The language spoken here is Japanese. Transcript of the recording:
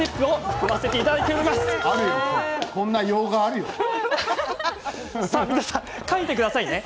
笑い声書いてくださいね。